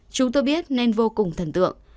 chúng tôi biết nên vô cùng thần tượng